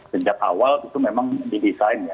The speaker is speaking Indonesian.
sejak awal itu memang didesain ya